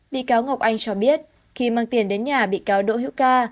bị cáo ngọc anh cho biết khi mang tiền đến nhà bị cáo đỗ hữu ca